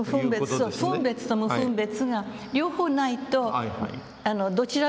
そう分別と無分別が両方ないとどちら側もないですよね。